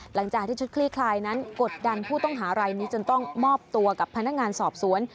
หลังจากที่ชุดคลี่คลายนั้นกดดันผู้ต้องหารายนี้จนต้องมอบตัวกับพนักงานสอบสวน